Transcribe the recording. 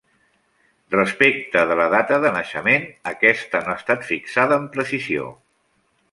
Respecte de la data de naixement, aquesta no ha estat fixada amb precisió.